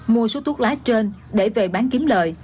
mua số thuốc lá trên để về bán kiếm lời